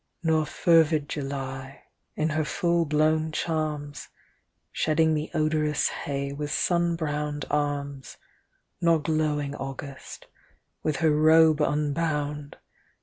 Nor fervid July, in her full blown charms, Shedding the odorous hay with sun browned arms, Nor glowing August, with her robe unboimd.